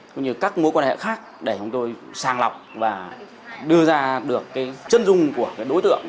cũng như các mối quan hệ khác để chúng tôi sàng lọc và đưa ra được cái chân dung của đối tượng